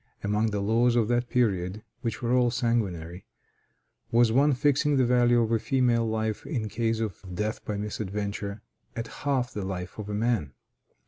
Among the laws of that period, which were all sanguinary, was one fixing the value of a female life, in case of death by misadventure, at half the life of a man.